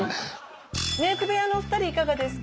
メーク部屋のお二人いかがですか。